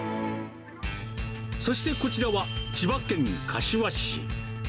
そしてこちらは、千葉県柏市。